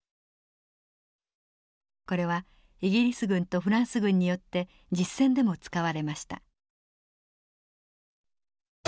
これはイギリス軍とフランス軍によって実戦でも使われました。